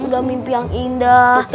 udah mimpi yang indah